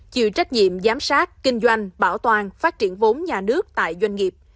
chịu trách nhiệm giám sát kinh doanh bảo toàn phát triển vốn nhà nước tại doanh nghiệp